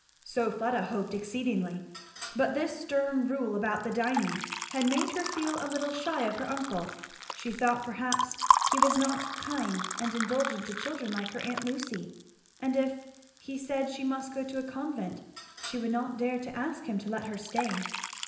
So Fleda hoped exceedingly, but this stern rule about the dining had made her feel a little shy of her uncle; she thought perhaps he was not kind and indulgent to children like her aunt Lucy; and if he said she must go to a convent she would not dare to ask him to let her stay.